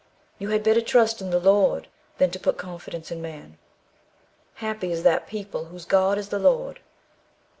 You had better trust in the Lord than to put confidence in man. Happy is that people whose God is the Lord.